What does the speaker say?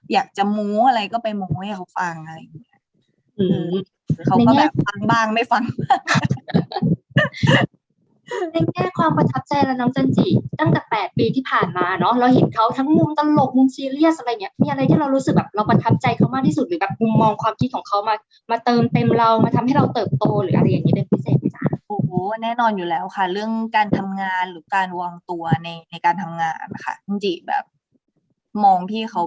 อยากจะมู้อะไรก็ไปมู้ให้เขาฟังอะไรอย่างนี้หรือเขาก็แบบฟังบ้างไม่ฟังในแค่ความประทับใจแล้วน้องจันจิตั้งแต่๘ปีที่ผ่านมาเนาะเราเห็นเขาทั้งมุมตลกมุมซีเรียสอะไรอย่างนี้มีอะไรที่เรารู้สึกแบบเราประทับใจเขามากที่สุดหรือแบบมองความคิดของเขามาเติมเต็มเรามาทำให้เราเติบโตหรืออะไรอย่างนี้เป็นพิเศษหรือเปล่า